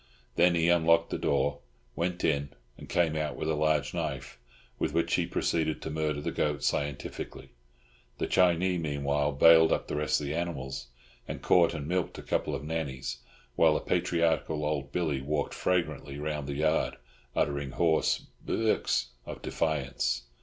Then he unlocked the door, went in, and came out with a large knife, with which he proceeded to murder the goat scientifically. The Chinee meanwhile bailed up the rest of the animals, and caught and milked a couple of "nannies," while a patriarchal old "billy" walked fragrantly round the yard, uttering hoarse "buukhs" of defiance.